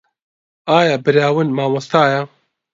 ئایا براون مامۆستایە؟